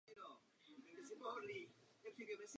To by bylo známkou neschopnosti.